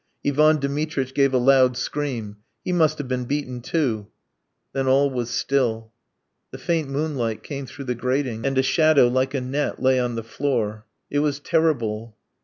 Ivan Dmitritch gave a loud scream. He must have been beaten too. Then all was still, the faint moonlight came through the grating, and a shadow like a net lay on the floor. It was terrible.